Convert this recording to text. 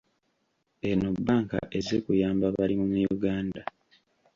Eno bbanka ezze kuyamba balimi mu Uganda.